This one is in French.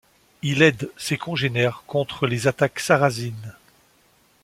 Il aide ses congénères contre les attaques sarrasines.